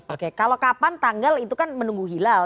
oke kalau kapan tanggal itu kan menunggu hilal